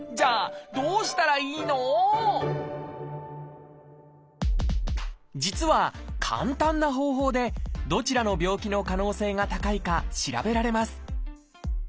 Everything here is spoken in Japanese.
じゃあ実は簡単な方法でどちらの病気の可能性が高いか調べられます。